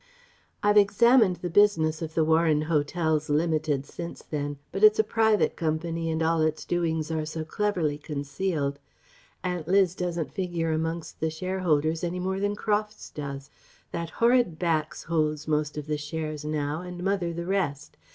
"I've examined the business of the Warren Hotels Ltd. since then, but it's a private company, and all its doings are so cleverly concealed.... Aunt Liz doesn't figure amongst the shareholders any more than Crofts does. That horrid Bax holds most of the shares now, and mother the rest....